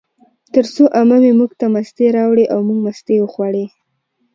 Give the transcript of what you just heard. ترڅو عمه مې موږ ته مستې راوړې، او موږ مستې وخوړې